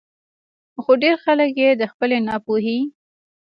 خو ډېر خلک ئې د خپلې نا پوهۍ